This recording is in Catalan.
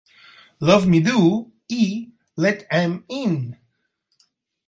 "Love Me Do" i "Let 'Em In".